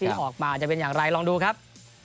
ที่ออกมาจะเป็นอย่างไรลองดูครับ